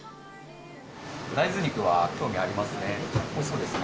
大豆肉は興味ありますね。